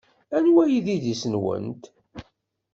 Anwa ay d idis-nwent?